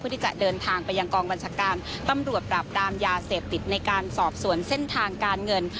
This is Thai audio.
ที่จะเดินทางไปยังกองบัญชาการตำรวจปราบรามยาเสพติดในการสอบสวนเส้นทางการเงิน